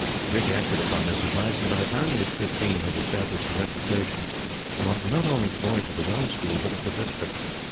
Dick acted upon this advice and, by the time he was fifteen, had established a reputation among, not only the boys of his own school, but of the district.